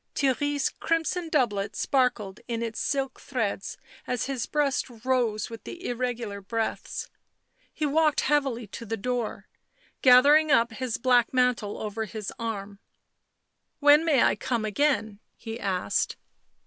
Theirry's crimson doublet sparkled in its silk threads as his breast rose with the irregular breaths ; he walked heavily to the door, gathering up his black mantle over his arm. " When may I come again?" he asked.